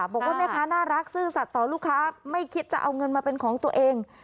บอกว่าแม่ค้าน่ารักซื่อสัตว์ต่อลูกค้าไม่คิดจะเอาเงินมาเป็นของตัวเอง